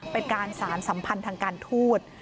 เป็นการสารสัมพันธ์ทางการทูต